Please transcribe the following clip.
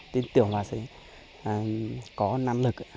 tin tưởng là sẽ có năng lực